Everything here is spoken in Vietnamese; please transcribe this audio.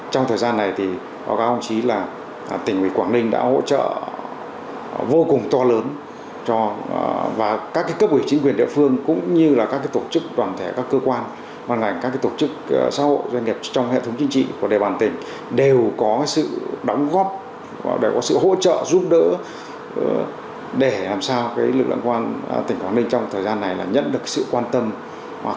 trong thời gian này thì các ông chí là tỉnh quảng ninh đã hỗ trợ vô cùng to lớn cho các cấp ủy chính quyền địa phương cũng như là các tổ chức toàn thể các cơ quan các tổ chức xã hội doanh nghiệp trong hệ thống chính trị của đề bàn tỉnh đều có sự đóng góp đều có sự hỗ trợ giúp đỡ để làm sao lực lượng quân tỉnh quảng ninh trong thời gian này nhận được sự quan tâm cao nhất